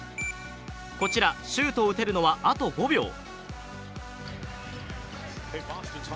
こちら、シュートを打てるのはあと５秒。